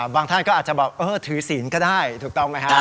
บางท่านก็อาจจะบอกเออถือศีลก็ได้ถูกต้องไหมครับ